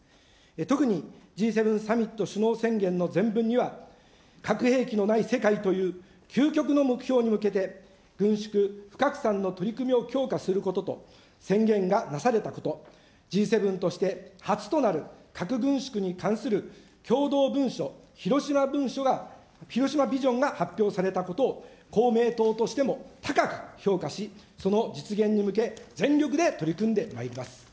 特にＧ７サミット首脳宣言の前文には、核兵器のない世界という究極の目標に向けて、軍縮・不拡散の取り組みを強化することと、宣言が出されたこと、Ｇ７として初となる核軍縮に関する共同文書、広島文書が、広島ビジョンが発表されたことを、公明党としても高く評価し、その実現に向け全力で取り組んでまいります。